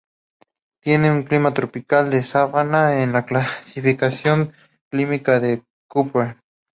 Tiene un clima tropical de sabana en la clasificación climática de Köppen.